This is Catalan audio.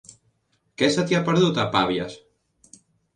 Què se t'hi ha perdut, a Pavies?